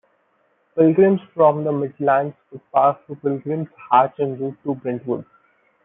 Pilgrims from the Midlands would pass through Pilgrims Hatch en route to Brentwood.